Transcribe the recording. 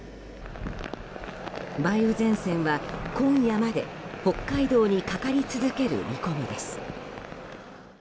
梅雨前線は今夜まで北海道にかかり続ける見込みです。